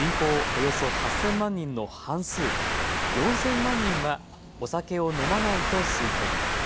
およそ８０００万人の半数、４０００万人はお酒を飲まないと推計。